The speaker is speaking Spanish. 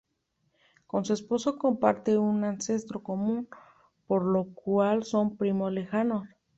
Con su esposo comparte un ancestro común, por lo cual son primos lejanos.